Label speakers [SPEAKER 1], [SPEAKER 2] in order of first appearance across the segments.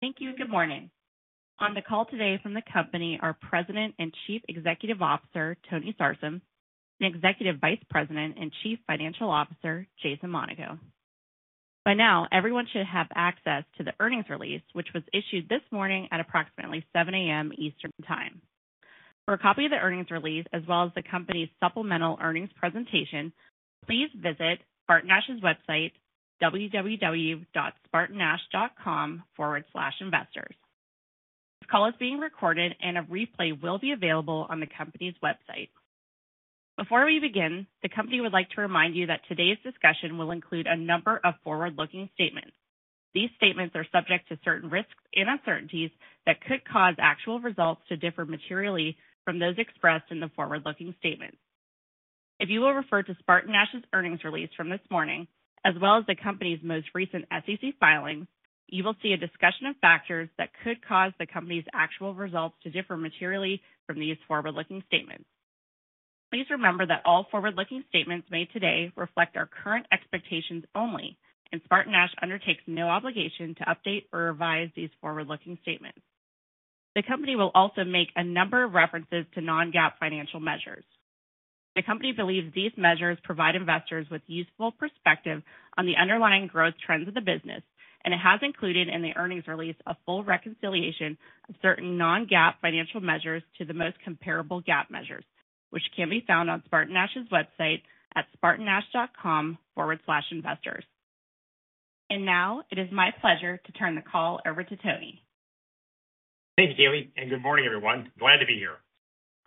[SPEAKER 1] Thank you. Good morning. On the call today from the company are President and Chief Executive Officer, Tony Sarsam, and Executive Vice President and Chief Financial Officer, Jason Monaco. By now, everyone should have access to the earnings release, which was issued this morning at approximately 7:00 A.M. Eastern Time. For a copy of the earnings release, as well as the company's supplemental earnings presentation, please visit SpartanNash's website, www.spartanash.com/investors. This call is being recorded, and a replay will be available on the company's website. Before we begin, the company would like to remind you that today's discussion will include a number of forward-looking statements. These statements are subject to certain risks and uncertainties that could cause actual results to differ materially from those expressed in the forward-looking statements. If you will refer to SpartanNash's earnings release from this morning, as well as the company's most recent SEC filings, you will see a discussion of factors that could cause the company's actual results to differ materially from these forward-looking statements. Please remember that all forward-looking statements made today reflect our current expectations only, and SpartanNash undertakes no obligation to update or revise these forward-looking statements. The company will also make a number of references to non-GAAP financial measures. The company believes these measures provide investors with useful perspective on the underlying growth trends of the business, and it has included in the earnings release a full reconciliation of certain non-GAAP financial measures to the most comparable GAAP measures, which can be found on SpartanNash's website at spartanash.com/investors. And now, it is my pleasure to turn the call over to Tony.
[SPEAKER 2] Thank you, Kayleigh, and good morning, everyone. Glad to be here.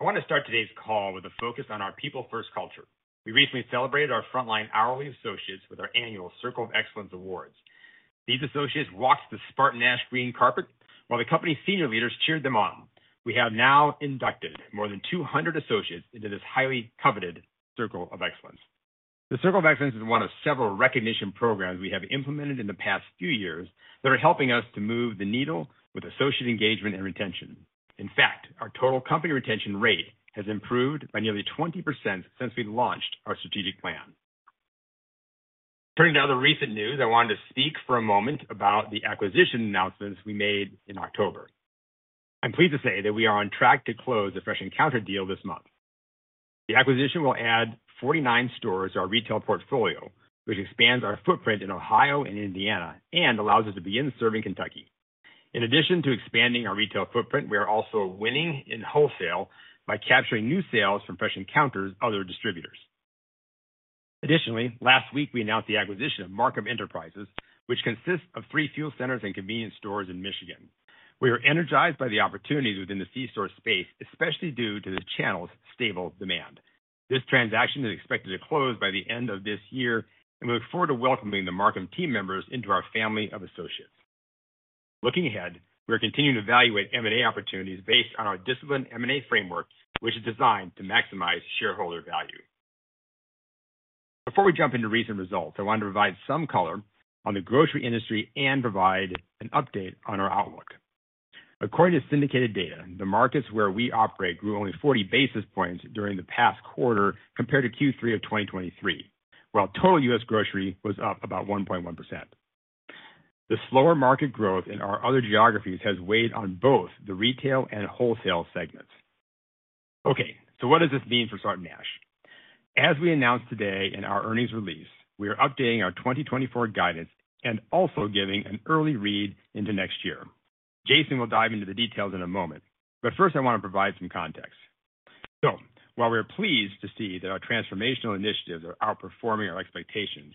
[SPEAKER 2] I want to start today's call with a focus on our people-first culture. We recently celebrated our frontline hourly associates with our annual Circle of Excellence Awards. These associates walked the SpartanNash green carpet while the company's senior leaders cheered them on. We have now inducted more than 200 associates into this highly coveted Circle of Excellence. The Circle of Excellence is one of several recognition programs we have implemented in the past few years that are helping us to move the needle with associate engagement and retention. In fact, our total company retention rate has improved by nearly 20% since we launched our strategic plan. Turning to other recent news, I wanted to speak for a moment about the acquisition announcements we made in October. I'm pleased to say that we are on track to close a Fresh Encounter deal this month. The acquisition will add 49 stores to our retail portfolio, which expands our footprint in Ohio and Indiana and allows us to begin serving Kentucky. In addition to expanding our retail footprint, we are also winning in wholesale by capturing new sales from Fresh Encounter with other distributors. Additionally, last week we announced the acquisition of Markham Enterprises, which consists of three fuel centers and convenience stores in Michigan. We are energized by the opportunities within the C-store space, especially due to the channel's stable demand. This transaction is expected to close by the end of this year, and we look forward to welcoming the Markham team members into our family of associates. Looking ahead, we are continuing to evaluate M&A opportunities based on our disciplined M&A framework, which is designed to maximize shareholder value. Before we jump into recent results, I wanted to provide some color on the grocery industry and provide an update on our outlook. According to syndicated data, the markets where we operate grew only 40 basis points during the past quarter compared to Q3 of 2023, while total U.S. grocery was up about 1.1%. The slower market growth in our other geographies has weighed on both the Retail and Wholesale segments. Okay, so what does this mean for SpartanNash? As we announced today in our earnings release, we are updating our 2024 guidance and also giving an early read into next year. Jason will dive into the details in a moment, but first I want to provide some context. So while we are pleased to see that our transformational initiatives are outperforming our expectations,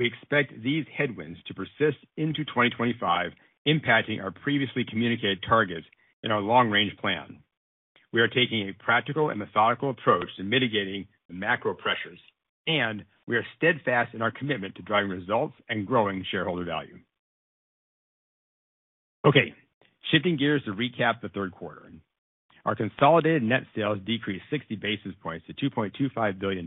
[SPEAKER 2] we expect these headwinds to persist into 2025, impacting our previously communicated targets and our long-range plan. We are taking a practical and methodical approach to mitigating macro pressures, and we are steadfast in our commitment to driving results and growing shareholder value. Okay, shifting gears to recap the third quarter. Our consolidated net sales decreased 60 basis points to $2.25 billion.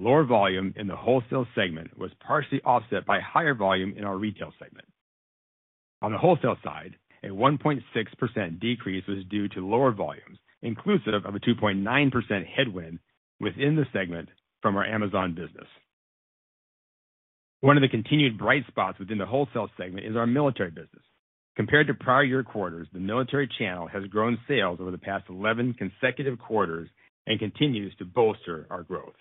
[SPEAKER 2] Lower volume in the Wholesale segment was partially offset by higher volume in our Retail segment. On the Wholesale side, a 1.6% decrease was due to lower volumes, inclusive of a 2.9% headwind within the segment from our Amazon business. One of the continued bright spots within the Wholesale segment is our military business. Compared to prior year quarters, the military channel has grown sales over the past 11 consecutive quarters and continues to bolster our growth.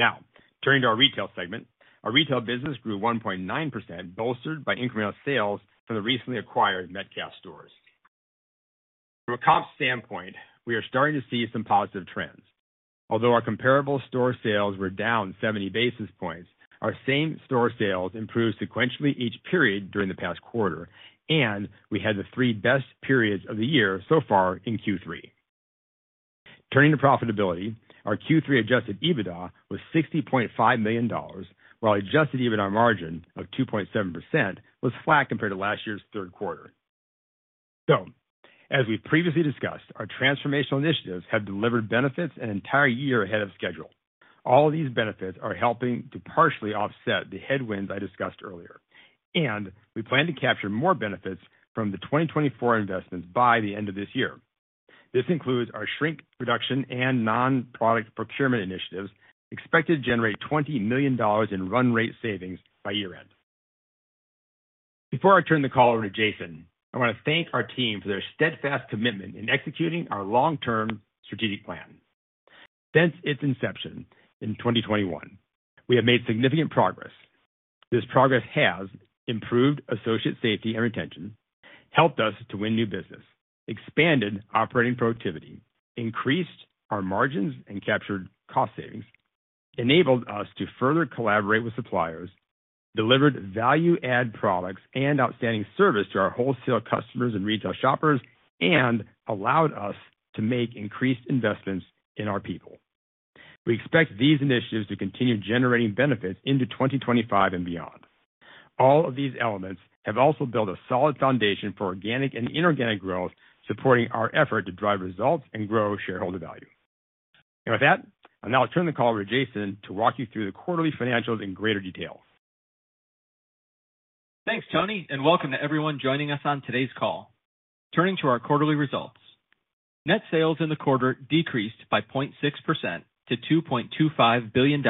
[SPEAKER 2] Now, turning to our Retail segment, our Retail business grew 1.9%, bolstered by incremental sales from the recently acquired Metcalfe's stores. From a comp standpoint, we are starting to see some positive trends. Although our comparable store sales were down 70 basis points, our same store sales improved sequentially each period during the past quarter, and we had the three best periods of the year so far in Q3. Turning to profitability, our Q3 adjusted EBITDA was $60.5 million, while adjusted EBITDA margin of 2.7% was flat compared to last year's third quarter, so as we previously discussed, our transformational initiatives have delivered benefits an entire year ahead of schedule. All of these benefits are helping to partially offset the headwinds I discussed earlier, and we plan to capture more benefits from the 2024 investments by the end of this year. This includes our shrink reduction and non-product procurement initiatives expected to generate $20 million in run rate savings by year-end. Before I turn the call over to Jason, I want to thank our team for their steadfast commitment in executing our long-term strategic plan. Since its inception in 2021, we have made significant progress. This progress has improved associate safety and retention, helped us to win new business, expanded operating productivity, increased our margins and captured cost savings, enabled us to further collaborate with suppliers, delivered value-add products and outstanding service to our wholesale customers and retail shoppers, and allowed us to make increased investments in our people. We expect these initiatives to continue generating benefits into 2025 and beyond. All of these elements have also built a solid foundation for organic and inorganic growth, supporting our effort to drive results and grow shareholder value. And with that, I'll now turn the call over to Jason to walk you through the quarterly financials in greater detail.
[SPEAKER 3] Thanks, Tony, and welcome to everyone joining us on today's call. Turning to our quarterly results, net sales in the quarter decreased by 0.6% to $2.25 billion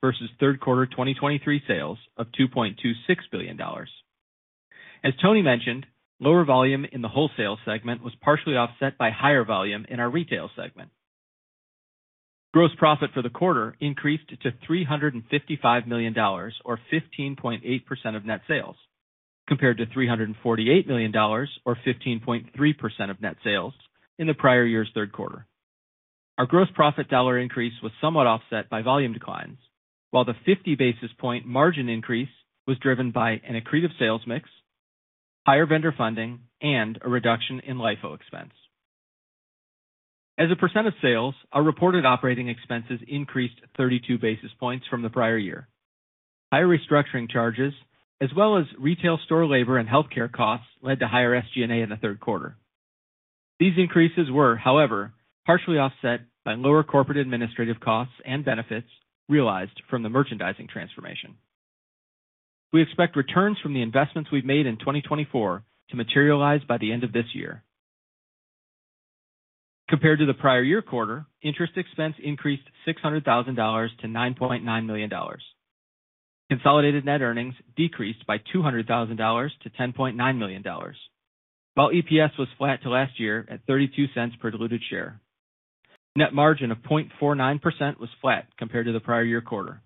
[SPEAKER 3] versus third quarter 2023 sales of $2.26 billion. As Tony mentioned, lower volume in the Wholesale segment was partially offset by higher volume in our Retail segment. Gross profit for the quarter increased to $355 million, or 15.8% of net sales, compared to $348 million, or 15.3% of net sales in the prior year's third quarter. Our gross profit dollar increase was somewhat offset by volume declines, while the 50 basis point margin increase was driven by an accretive sales mix, higher vendor funding, and a reduction in LIFO expense. As a percent of sales, our reported operating expenses increased 32 basis points from the prior year. Higher restructuring charges, as well as retail store labor and healthcare costs, led to higher SG&A in the third quarter. These increases were, however, partially offset by lower corporate administrative costs and benefits realized from the merchandising transformation. We expect returns from the investments we've made in 2024 to materialize by the end of this year. Compared to the prior year quarter, interest expense increased $600,000 to $9.9 million. Consolidated net earnings decreased by $200,000 to $10.9 million, while EPS was flat to last year at $0.32 per diluted share. Net margin of 0.49% was flat compared to the prior year quarter.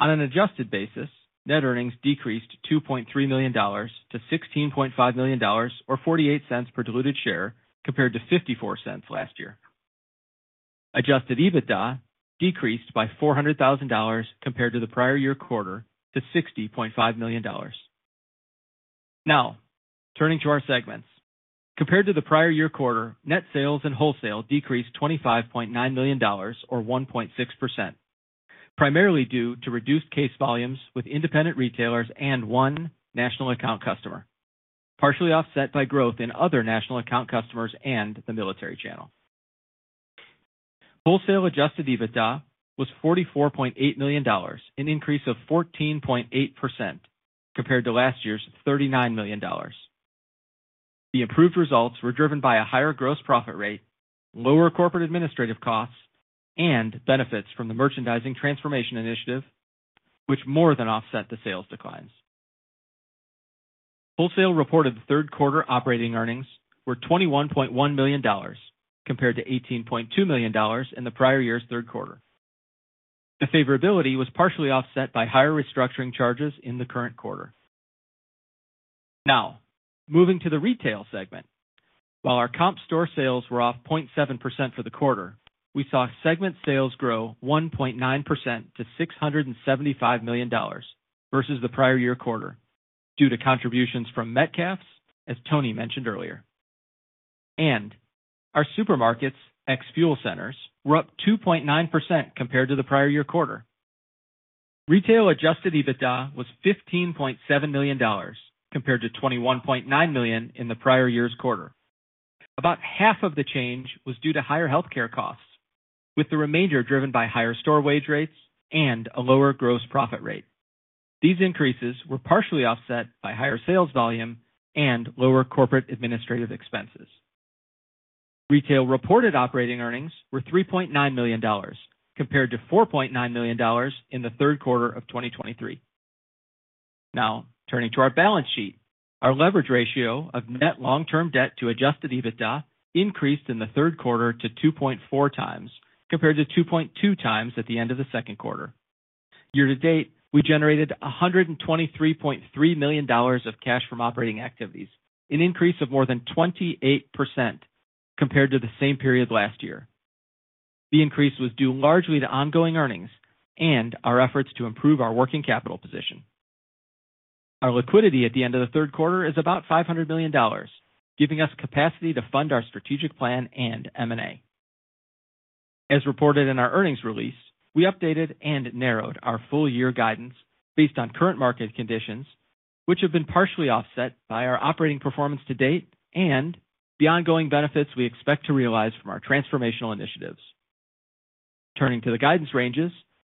[SPEAKER 3] On an adjusted basis, net earnings decreased $2.3 million to $16.5 million, or $0.48 per diluted share, compared to $0.54 last year. Adjusted EBITDA decreased by $400,000 compared to the prior year quarter to $60.5 million. Now, turning to our segments. Compared to the prior year quarter, net sales and wholesale decreased $25.9 million, or 1.6%, primarily due to reduced case volumes with independent retailers and one national account customer, partially offset by growth in other national account customers and the military channel. Wholesale adjusted EBITDA was $44.8 million, an increase of 14.8% compared to last year's $39 million. The improved results were driven by a higher gross profit rate, lower corporate administrative costs, and benefits from the merchandising transformation initiative, which more than offset the sales declines. Wholesale reported third quarter operating earnings were $21.1 million compared to $18.2 million in the prior year's third quarter. The favorability was partially offset by higher restructuring charges in the current quarter. Now, moving to the Retail segment. While our comp store sales were off 0.7% for the quarter, we saw segment sales grow 1.9% to $675 million versus the prior year quarter due to contributions from Metcalfe's, as Tony mentioned earlier, and our supermarkets ex-fuel centers were up 2.9% compared to the prior year quarter. Retail adjusted EBITDA was $15.7 million compared to $21.9 million in the prior year's quarter. About half of the change was due to higher healthcare costs, with the remainder driven by higher store wage rates and a lower gross profit rate. These increases were partially offset by higher sales volume and lower corporate administrative expenses. Retail reported operating earnings were $3.9 million compared to $4.9 million in the third quarter of 2023. Now, turning to our balance sheet, our leverage ratio of net long-term debt to adjusted EBITDA increased in the third quarter to 2.4 times compared to 2.2 times at the end of the second quarter. Year to date, we generated $123.3 million of cash from operating activities, an increase of more than 28% compared to the same period last year. The increase was due largely to ongoing earnings and our efforts to improve our working capital position. Our liquidity at the end of the third quarter is about $500 million, giving us capacity to fund our strategic plan and M&A. As reported in our earnings release, we updated and narrowed our full year guidance based on current market conditions, which have been partially offset by our operating performance to date and the ongoing benefits we expect to realize from our transformational initiatives. Turning to the guidance ranges,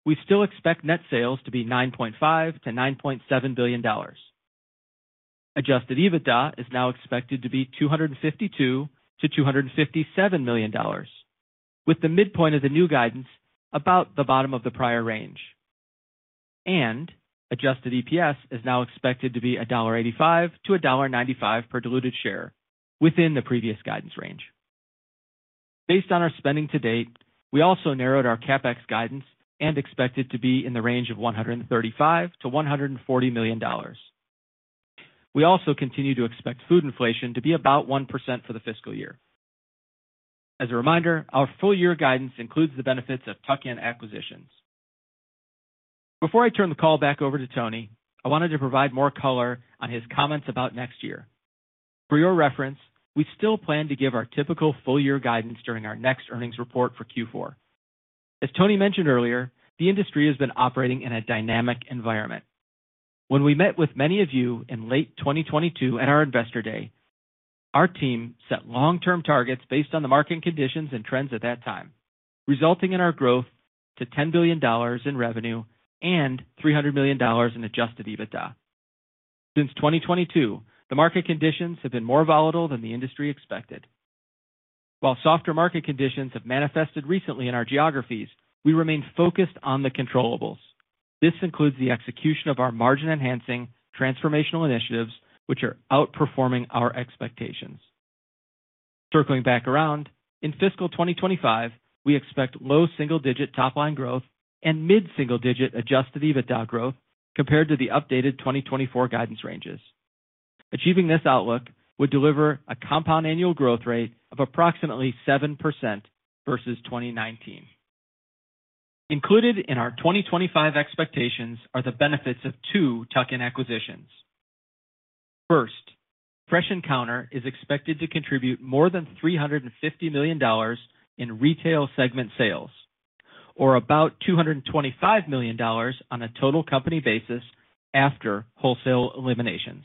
[SPEAKER 3] we still expect net sales to be $9.5 billion-$9.7 billion. Adjusted EBITDA is now expected to be $252 million-$257 million, with the midpoint of the new guidance about the bottom of the prior range, and adjusted EPS is now expected to be $1.85-$1.95 per diluted share within the previous guidance range. Based on our spending to date, we also narrowed our CapEx guidance and expect it to be in the range of $135 million-$140 million. We also continue to expect food inflation to be about 1% for the fiscal year. As a reminder, our full year guidance includes the benefits of tuck-in acquisitions. Before I turn the call back over to Tony, I wanted to provide more color on his comments about next year. For your reference, we still plan to give our typical full year guidance during our next earnings report for Q4. As Tony mentioned earlier, the industry has been operating in a dynamic environment. When we met with many of you in late 2022 at our investor day, our team set long-term targets based on the market conditions and trends at that time, resulting in our growth to $10 billion in revenue and $300 million in adjusted EBITDA. Since 2022, the market conditions have been more volatile than the industry expected. While softer market conditions have manifested recently in our geographies, we remain focused on the controllables. This includes the execution of our margin-enhancing transformational initiatives, which are outperforming our expectations. Circling back around, in fiscal 2025, we expect low single-digit top-line growth and mid-single-digit adjusted EBITDA growth compared to the updated 2024 guidance ranges. Achieving this outlook would deliver a compound annual growth rate of approximately 7% versus 2019. Included in our 2025 expectations are the benefits of two tuck-in acquisitions. First, Fresh Encounter is expected to contribute more than $350 million in Retail segment sales, or about $225 million on a total company basis after wholesale eliminations.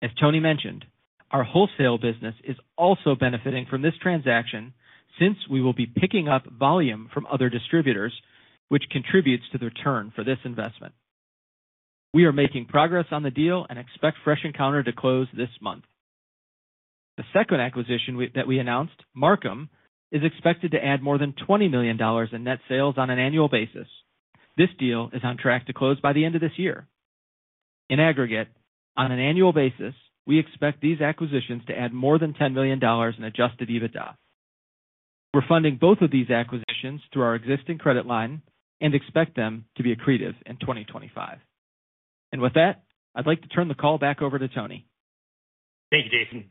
[SPEAKER 3] As Tony mentioned, our Wholesale business is also benefiting from this transaction since we will be picking up volume from other distributors, which contributes to the return for this investment. We are making progress on the deal and expect Fresh Encounter to close this month. The second acquisition that we announced, Markham, is expected to add more than $20 million in net sales on an annual basis. This deal is on track to close by the end of this year. In aggregate, on an annual basis, we expect these acquisitions to add more than $10 million in adjusted EBITDA. We're funding both of these acquisitions through our existing credit line and expect them to be accretive in 2025. And with that, I'd like to turn the call back over to Tony.
[SPEAKER 2] Thank you, Jason.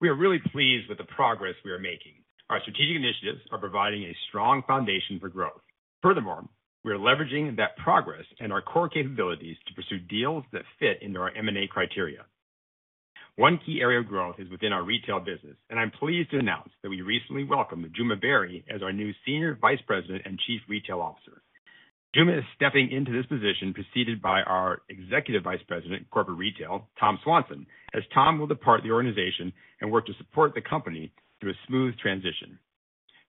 [SPEAKER 2] We are really pleased with the progress we are making. Our strategic initiatives are providing a strong foundation for growth. Furthermore, we are leveraging that progress and our core capabilities to pursue deals that fit into our M&A criteria. One key area of growth is within our Retail business, and I'm pleased to announce that we recently welcomed Djouma Barry as our new Senior Vice President and Chief Retail Officer. Djouma is stepping into this position preceded by our Executive Vice President, Corporate Retail, Tom Swanson, as Tom will depart the organization and work to support the company through a smooth transition.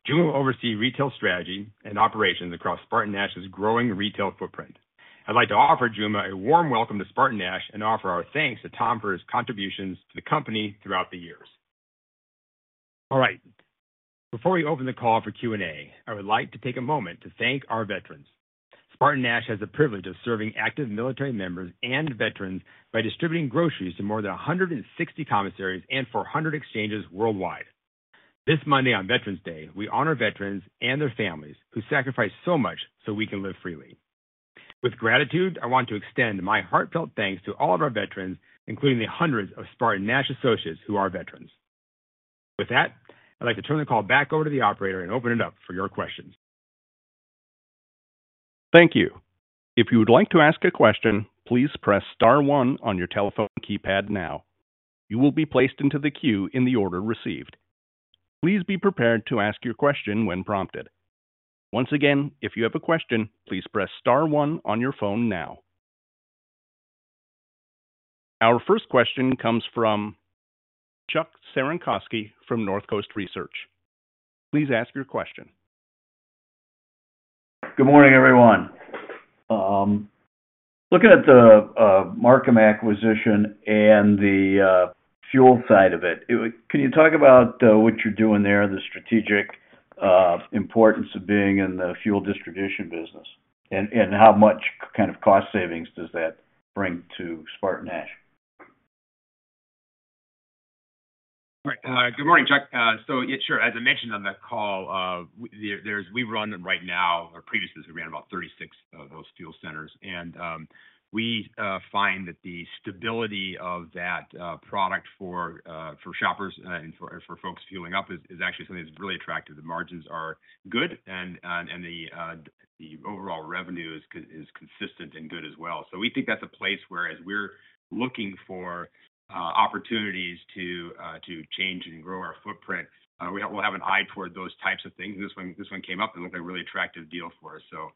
[SPEAKER 2] Djouma will oversee retail strategy and operations across SpartanNash's growing retail footprint. I'd like to offer Djouma a warm welcome to SpartanNash and offer our thanks to Tom for his contributions to the company throughout the years. All right. Before we open the call for Q&A, I would like to take a moment to thank our veterans. SpartanNash has the privilege of serving active military members and veterans by distributing groceries to more than 160 commissaries and 400 exchanges worldwide. This Monday on Veterans Day, we honor veterans and their families who sacrificed so much so we can live freely. With gratitude, I want to extend my heartfelt thanks to all of our veterans, including the hundreds of SpartanNash associates who are veterans. With that, I'd like to turn the call back over to the operator and open it up for your questions.
[SPEAKER 4] Thank you. If you would like to ask a question, please press star one on your telephone keypad now. You will be placed into the queue in the order received. Please be prepared to ask your question when prompted. Once again, if you have a question, please press star one on your phone now. Our first question comes from Chuck Cerankosky from Northcoast Research. Please ask your question.
[SPEAKER 5] Good morning, everyone. Looking at the Markham acquisition and the fuel side of it, can you talk about what you're doing there, the strategic importance of being in the fuel distribution business, and how much kind of cost savings does that bring to SpartanNash?
[SPEAKER 2] All right. Good morning, Chuck. So yeah, sure. As I mentioned on the call, we run right now, or previously, we ran about 36 of those fuel centers, and we find that the stability of that product for shoppers and for folks fueling up is actually something that's really attractive. The margins are good, and the overall revenue is consistent and good as well. So we think that's a place where, as we're looking for opportunities to change and grow our footprint, we'll have an eye toward those types of things. This one came up and looked like a really attractive deal for us. So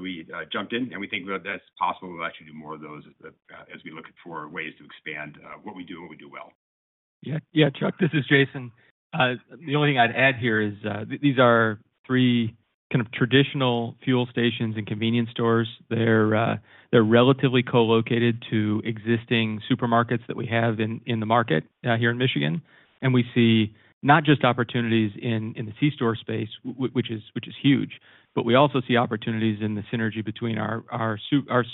[SPEAKER 2] we jumped in, and we think that's possible. We'll actually do more of those as we look for ways to expand what we do and what we do well.
[SPEAKER 3] Yeah. Yeah, Chuck, this is Jason. The only thing I'd add here is these are three kind of traditional fuel stations and convenience stores. They're relatively co-located to existing supermarkets that we have in the market here in Michigan. And we see not just opportunities in the C-store space, which is huge, but we also see opportunities in the synergy between our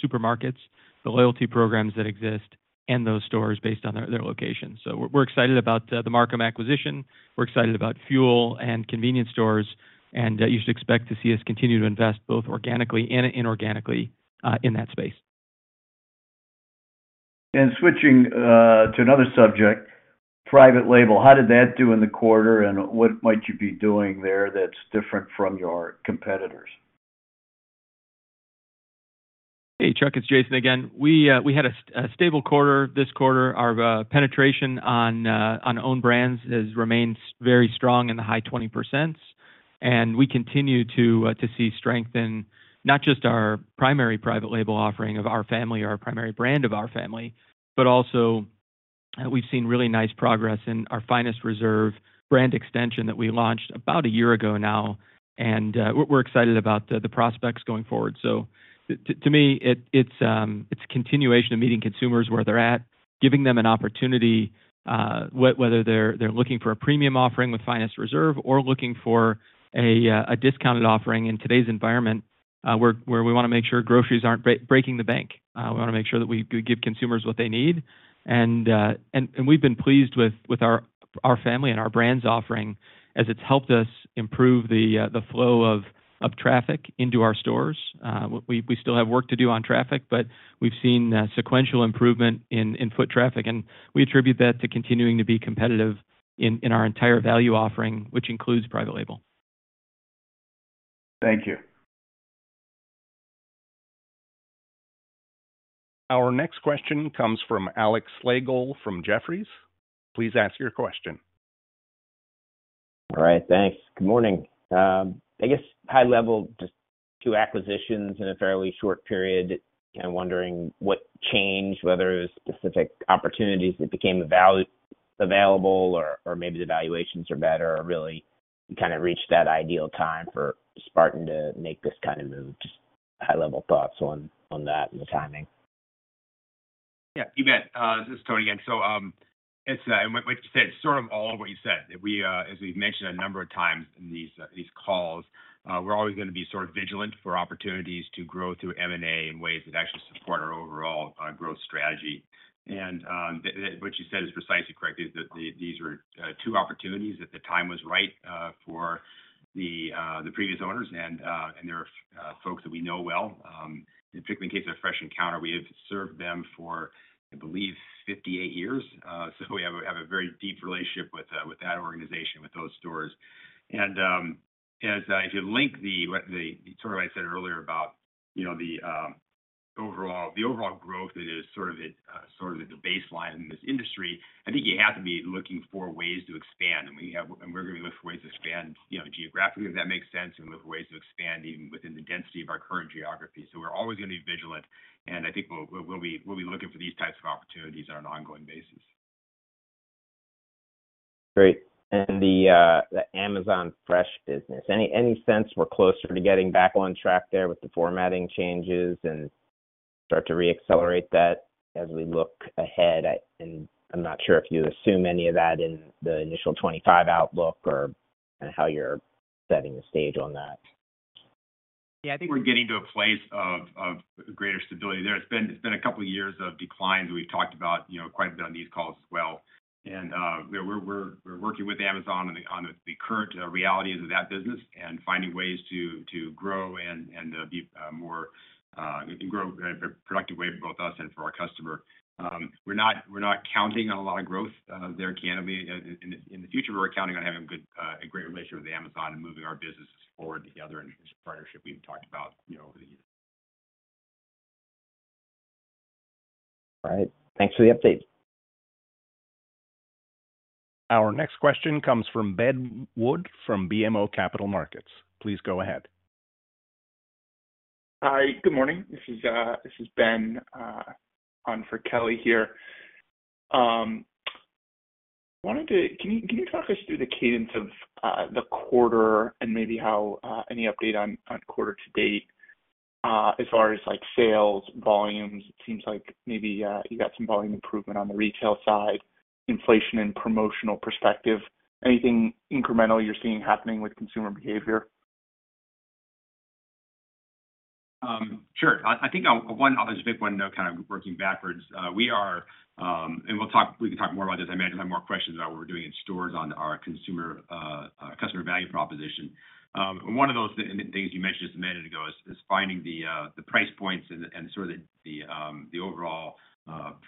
[SPEAKER 3] supermarkets, the loyalty programs that exist, and those stores based on their location. So we're excited about the Markham acquisition. We're excited about fuel and convenience stores, and you should expect to see us continue to invest both organically and inorganically in that space.
[SPEAKER 5] And switching to another subject, private label, how did that do in the quarter, and what might you be doing there that's different from your competitors?
[SPEAKER 3] Hey, Chuck, it's Jason again. We had a stable quarter, this quarter. Our penetration on own brands has remained very strong in the high 20%, and we continue to see strength in not just our primary private label offering of Our Family or our primary brand of Our Family, but also we've seen really nice progress in our Finest Reserve brand extension that we launched about a year ago now, and we're excited about the prospects going forward. So to me, it's a continuation of meeting consumers where they're at, giving them an opportunity, whether they're looking for a premium offering with Finest Reserve or looking for a discounted offering in today's environment where we want to make sure groceries aren't breaking the bank. We want to make sure that we give consumers what they need. We’ve been pleased with Our Family and our brand’s offering as it’s helped us improve the flow of traffic into our stores. We still have work to do on traffic, but we’ve seen sequential improvement in foot traffic, and we attribute that to continuing to be competitive in our entire value offering, which includes private label.
[SPEAKER 5] Thank you.
[SPEAKER 4] Our next question comes from Alex Slagle from Jefferies. Please ask your question.
[SPEAKER 6] All right. Thanks. Good morning. I guess high-level, just two acquisitions in a fairly short period. I'm wondering what changed, whether it was specific opportunities that became available or maybe the valuations are better, or really you kind of reached that ideal time for Spartan to make this kind of move? Just high-level thoughts on that and the timing.
[SPEAKER 2] Yeah. You bet. This is Tony again, so like you said, it's sort of all of what you said. As we've mentioned a number of times in these calls, we're always going to be sort of vigilant for opportunities to grow through M&A in ways that actually support our overall growth strategy, and what you said is precisely correct. These were two opportunities that the time was right for the previous owners, and they're folks that we know well. In particular, in the case of Fresh Encounter, we have served them for, I believe, 58 years, so we have a very deep relationship with that organization, with those stores, and if you link the sort of what I said earlier about the overall growth that is sort of at the baseline in this industry, I think you have to be looking for ways to expand. And we're going to be looking for ways to expand geographically, if that makes sense, and look for ways to expand even within the density of our current geography. So we're always going to be vigilant, and I think we'll be looking for these types of opportunities on an ongoing basis.
[SPEAKER 6] Great. And the Amazon Fresh business, any sense we're closer to getting back on track there with the formatting changes and start to re-accelerate that as we look ahead? And I'm not sure if you assume any of that in the initial 2025 outlook or how you're setting the stage on that.
[SPEAKER 2] Yeah. I think we're getting to a place of greater stability there. It's been a couple of years of declines that we've talked about quite a bit on these calls as well. And we're working with Amazon on the current realities of that business and finding ways to grow and be more in a productive way for both us and for our customer. We're not counting on a lot of growth there candidly in the future, but we're counting on having a great relationship with Amazon and moving our businesses forward together in the partnership we've talked about over the years.
[SPEAKER 6] All right. Thanks for the update.
[SPEAKER 4] Our next question comes from Ben Wood from BMO Capital Markets. Please go ahead.
[SPEAKER 7] Hi. Good morning. This is Ben on for Kelly here. Can you talk us through the cadence of the quarter and maybe any update on quarter to date as far as sales volumes? It seems like maybe you got some volume improvement on the retail side. Inflation and promotional perspective, anything incremental you're seeing happening with consumer behavior?
[SPEAKER 2] Sure. I think one is a big one, though, kind of working backwards, and we can talk more about this. I may have more questions about what we're doing in stores on our customer value proposition. One of those things you mentioned just a minute ago is finding the price points and sort of the overall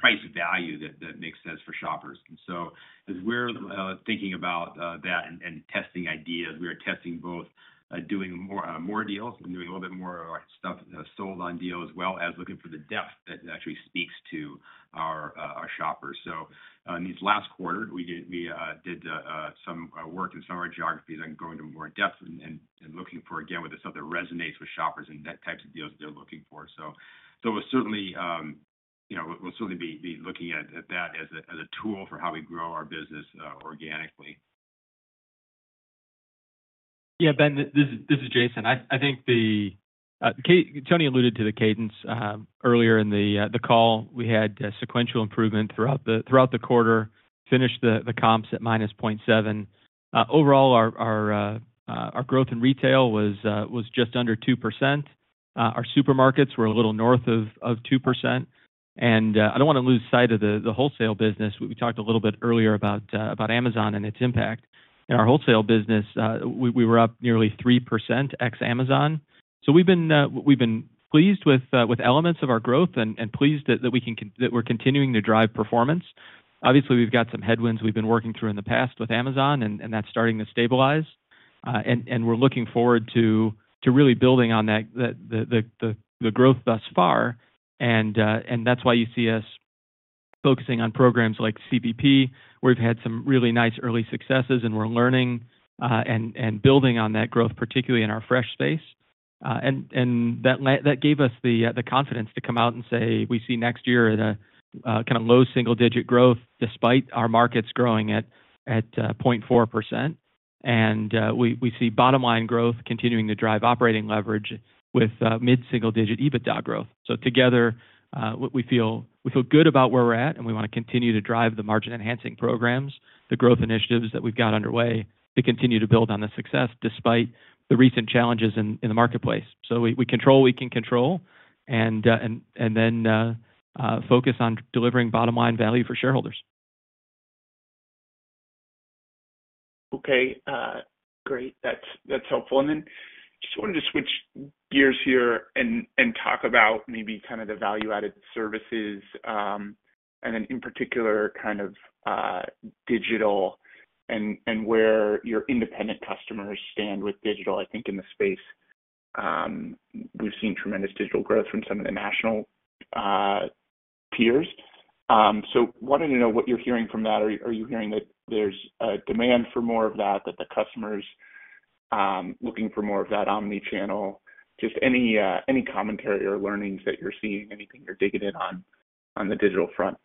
[SPEAKER 2] price value that makes sense for shoppers, and so as we're thinking about that and testing ideas, we are testing both doing more deals and doing a little bit more stuff sold on deals, as well as looking for the depth that actually speaks to our shoppers, so in this last quarter, we did some work in some of our geographies on going to more depth and looking for, again, what is something that resonates with shoppers and that type of deals that they're looking for. We'll certainly be looking at that as a tool for how we grow our business organically.
[SPEAKER 3] Yeah, Ben, this is Jason. I think Tony alluded to the cadence earlier in the call. We had sequential improvement throughout the quarter, finished the comps at -0.7%. Overall, our growth in Retail was just under 2%. Our supermarkets were a little north of 2%. And I don't want to lose sight of the Wholesale business. We talked a little bit earlier about Amazon and its impact. In our Wholesale business, we were up nearly 3% ex-Amazon. So we've been pleased with elements of our growth and pleased that we're continuing to drive performance. Obviously, we've got some headwinds we've been working through in the past with Amazon, and that's starting to stabilize. And we're looking forward to really building on the growth thus far. And that's why you see us focusing on programs like CVP, where we've had some really nice early successes, and we're learning and building on that growth, particularly in our Fresh space. And that gave us the confidence to come out and say, "We see next year kind of low single-digit growth despite our markets growing at 0.4%." And we see bottom-line growth continuing to drive operating leverage with mid-single-digit EBITDA growth. So together, we feel good about where we're at, and we want to continue to drive the margin-enhancing programs, the growth initiatives that we've got underway to continue to build on the success despite the recent challenges in the marketplace. So we control what we can control and then focus on delivering bottom-line value for shareholders.
[SPEAKER 7] Okay. Great. That's helpful. And then just wanted to switch gears here and talk about maybe kind of the value-added services and then, in particular, kind of digital and where your independent customers stand with digital. I think in the space, we've seen tremendous digital growth from some of the national peers. So wanted to know what you're hearing from that. Are you hearing that there's a demand for more of that, that the customers are looking for more of that omnichannel? Just any commentary or learnings that you're seeing, anything you're digging in on the digital front?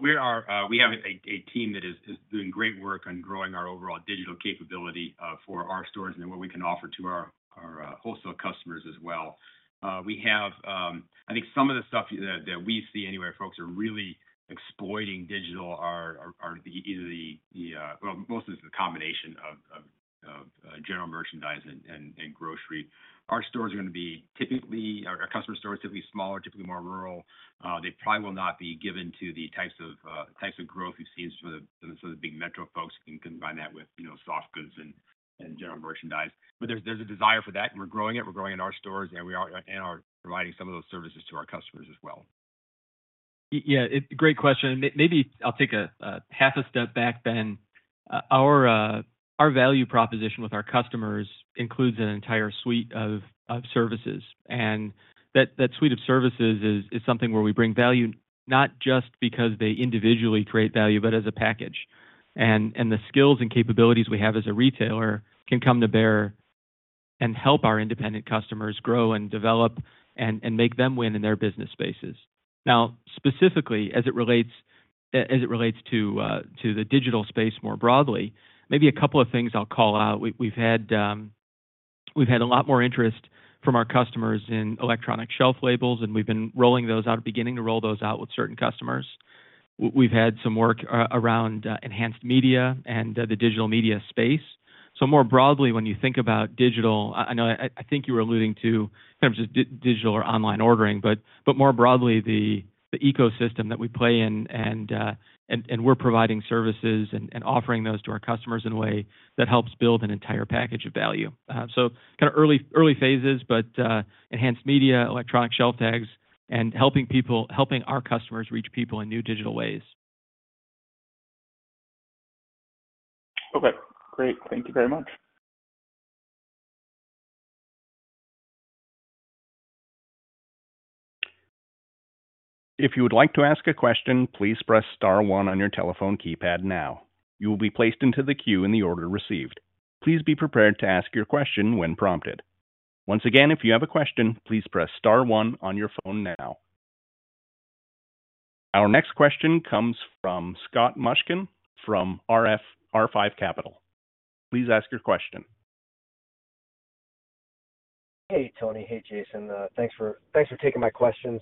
[SPEAKER 2] We have a team that is doing great work on growing our overall digital capability for our stores and then what we can offer to our wholesale customers as well. I think some of the stuff that we see anywhere folks are really exploiting digital are either the, well, most of it's a combination of general merchandise and grocery. Our stores are going to be typically, our customer stores are typically smaller, typically more rural. They probably will not be given to the types of growth we've seen for some of the big metro folks and combine that with soft goods and general merchandise. But there's a desire for that, and we're growing it. We're growing it in our stores, and we are providing some of those services to our customers as well.
[SPEAKER 3] Yeah. Great question. Maybe I'll take a half a step back, Ben. Our value proposition with our customers includes an entire suite of services, and that suite of services is something where we bring value not just because they individually create value, but as a package. And the skills and capabilities we have as a retailer can come to bear and help our independent customers grow and develop and make them win in their business spaces. Now, specifically, as it relates to the digital space more broadly, maybe a couple of things I'll call out. We've had a lot more interest from our customers in electronic shelf labels, and we've been rolling those out, beginning to roll those out with certain customers. We've had some work around enhanced media and the digital media space. So more broadly, when you think about digital— I think you were alluding to kind of just digital or online ordering, but more broadly, the ecosystem that we play in, and we're providing services and offering those to our customers in a way that helps build an entire package of value. So kind of early phases, but enhanced media, electronic shelf tags, and helping our customers reach people in new digital ways.
[SPEAKER 7] Okay. Great. Thank you very much.
[SPEAKER 4] If you would like to ask a question, please press star one on your telephone keypad now. You will be placed into the queue in the order received. Please be prepared to ask your question when prompted. Once again, if you have a question, please press star one on your phone now. Our next question comes from Scott Mushkin from R5 Capital. Please ask your question.
[SPEAKER 8] Hey, Tony. Hey, Jason. Thanks for taking my questions.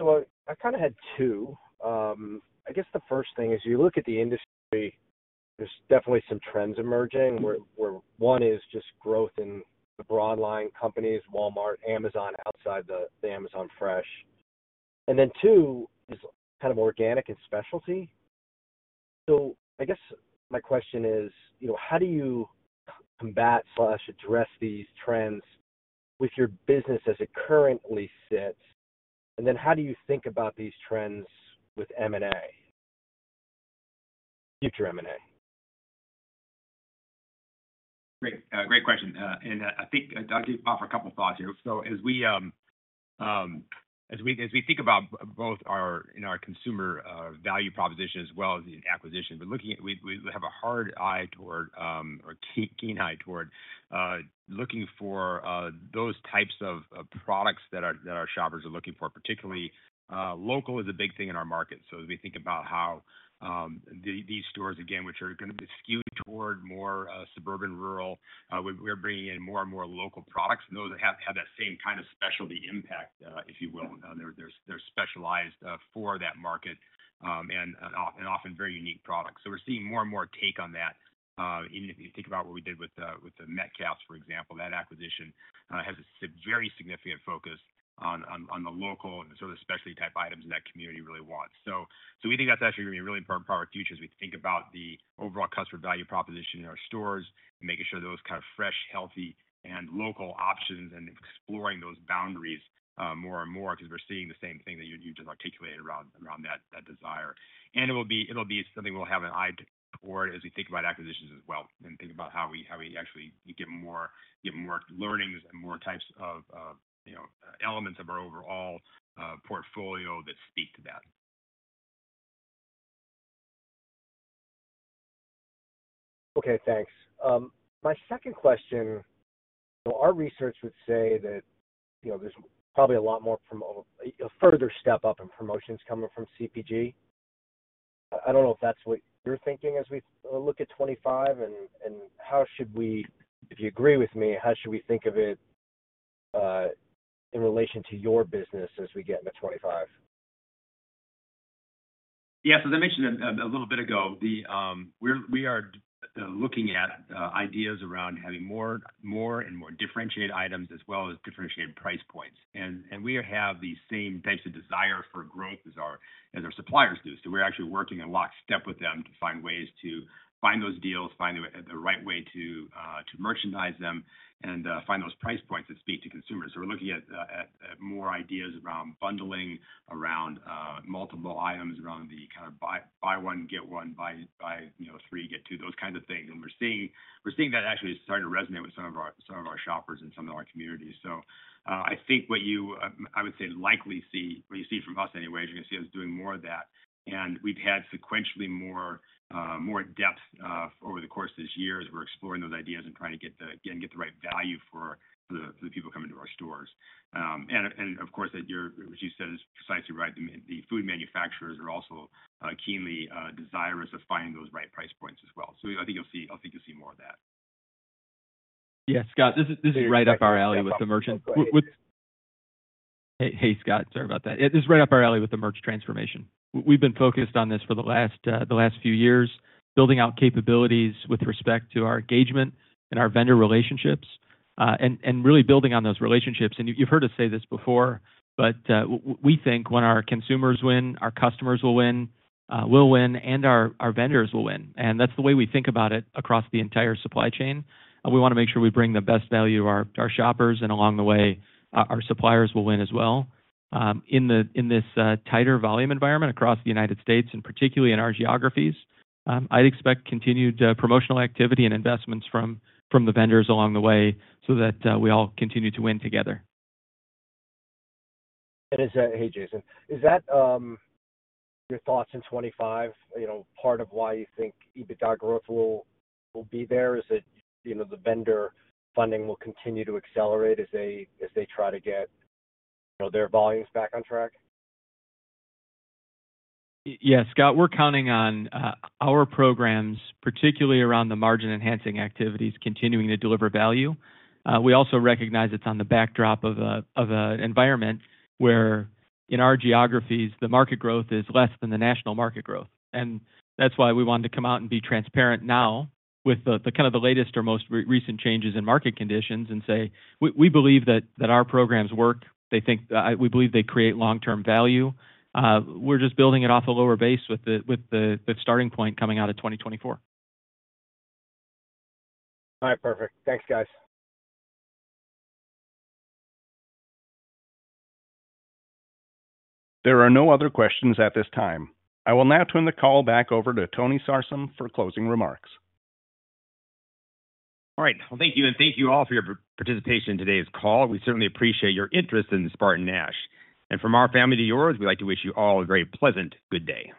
[SPEAKER 8] So I kind of had two. I guess the first thing is you look at the industry, there's definitely some trends emerging where one is just growth in the broad-line companies, Walmart, Amazon outside the Amazon Fresh. And then two is kind of organic and specialty. So I guess my question is, how do you combat or address these trends with your business as it currently sits? And then how do you think about these trends with M&A, future M&A?
[SPEAKER 2] Great question. And I think I'll just offer a couple of thoughts here. So as we think about both our consumer value proposition as well as the acquisition, we have a hard eye toward or keen eye toward looking for those types of products that our shoppers are looking for. Particularly, local is a big thing in our market. So as we think about how these stores, again, which are going to be skewed toward more suburban/rural, we're bringing in more and more local products and those that have that same kind of specialty impact, if you will. They're specialized for that market and often very unique products. So we're seeing more and more take on that. If you think about what we did with the Metcalfe's, for example, that acquisition has a very significant focus on the local and sort of specialty type items that community really wants. So we think that's actually going to be a really important part of our future as we think about the overall customer value proposition in our stores and making sure those kind of fresh, healthy, and local options and exploring those boundaries more and more because we're seeing the same thing that you just articulated around that desire. And it'll be something we'll have an eye toward as we think about acquisitions as well and think about how we actually get more learnings and more types of elements of our overall portfolio that speak to that.
[SPEAKER 8] Okay. Thanks. My second question, our research would say that there's probably a lot more further step-up in promotions coming from CPG. I don't know if that's what you're thinking as we look at 2025, and how should we, if you agree with me, how should we think of it in relation to your business as we get into 2025?
[SPEAKER 2] Yeah, so as I mentioned a little bit ago, we are looking at ideas around having more and more differentiated items as well as differentiated price points, and we have the same types of desire for growth as our suppliers do. So we're actually working in lockstep with them to find ways to find those deals, find the right way to merchandise them, and find those price points that speak to consumers, so we're looking at more ideas around bundling, around multiple items, around the kind of buy one, get one, buy three, get two, those kinds of things, and we're seeing that actually starting to resonate with some of our shoppers and some of our communities, so I think what you—I would say likely see what you see from us anyway, you're going to see us doing more of that. And we've had sequentially more depth over the course of this year as we're exploring those ideas and trying to get the right value for the people coming to our stores. And of course, as you said, it's precisely right. The food manufacturers are also keenly desirous of finding those right price points as well. So I think you'll see more of that.
[SPEAKER 3] Yeah. Scott, this is right up our alley with the merch. Hey, Scott. Sorry about that. This is right up our alley with the merch transformation. We've been focused on this for the last few years, building out capabilities with respect to our engagement and our vendor relationships and really building on those relationships. And you've heard us say this before, but we think when our consumers win, our customers will win, and our vendors will win. And that's the way we think about it across the entire supply chain. We want to make sure we bring the best value to our shoppers, and along the way, our suppliers will win as well. In this tighter volume environment across the United States, and particularly in our geographies, I'd expect continued promotional activity and investments from the vendors along the way so that we all continue to win together.
[SPEAKER 8] Hey, Jason. Is that your thoughts in 2025, part of why you think EBITDA growth will be there? Is it the vendor funding will continue to accelerate as they try to get their volumes back on track?
[SPEAKER 3] Yeah. Scott, we're counting on our programs, particularly around the margin-enhancing activities, continuing to deliver value. We also recognize it's on the backdrop of an environment where in our geographies, the market growth is less than the national market growth. And that's why we wanted to come out and be transparent now with kind of the latest or most recent changes in market conditions and say, "We believe that our programs work. We believe they create long-term value. We're just building it off a lower base with the starting point coming out of 2024.
[SPEAKER 8] All right. Perfect. Thanks, guys.
[SPEAKER 4] There are no other questions at this time. I will now turn the call back over to Tony Sarsam for closing remarks.
[SPEAKER 2] All right. Well, thank you. And thank you all for your participation in today's call. We certainly appreciate your interest in SpartanNash. And from our family to yours, we'd like to wish you all a very pleasant good day.